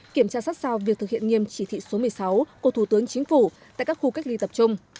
kiểm tra sát sao việc thực hiện nghiêm chỉ thị số một mươi sáu của thủ tướng chính phủ tại các khu cách ly tập trung